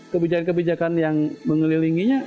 kebijakan kebijakan yang mengelilinginya